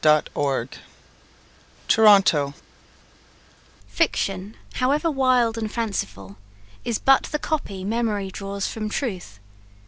CHAPTER XIV Toronto "Fiction, however wild and fanciful, Is but the copy memory draws from truth.